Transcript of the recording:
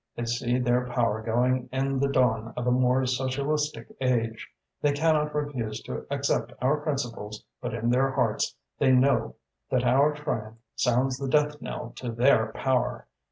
They see their power going in the dawn of a more socialistic age. They cannot refuse to accept our principles but in their hearts they know that our triumph sounds the death knell to their power.